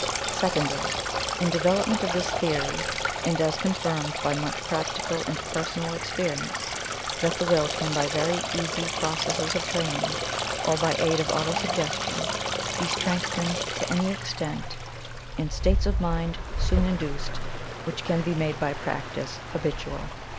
Secondly, in development of this theory, and as confirmed by much practical and personal experience, that the Will can by very easy processes of training, or by aid of Auto Suggestion, be strengthened to any extent, and states of mind soon induced, which can be made by practice habitual.